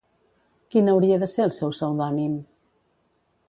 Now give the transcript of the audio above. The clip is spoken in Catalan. Quin hauria de ser el seu pseudònim?